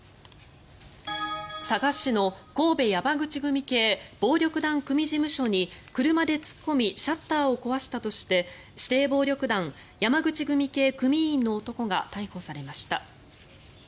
佐賀市の神戸山口組系暴力団事務所に車で突っ込みシャッターを壊したとして指定暴力団山口組系組員の男が逮捕されました。